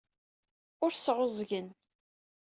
Ur sɛuẓẓgen.